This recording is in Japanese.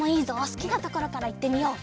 すきなところからいってみよう！